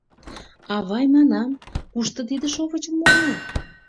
— Авай, — манам, — кушто тиде шовычым муынат?